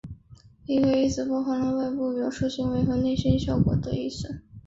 一个意思表示包含了外部的表示行为和内心的效果意思。